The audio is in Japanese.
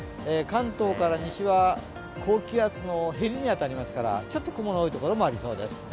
関東から西は高気圧のへりに当たりますからちょっと雲の多いところもありそうです。